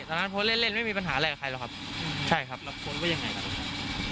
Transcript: ตอนนั้นโพสต์เล่นเล่นไม่มีปัญหาอะไรกับใครหรอกครับใช่ครับแล้วโพสต์ว่ายังไงครับตรงนี้